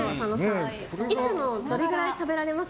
いつもどれくらい食べられます？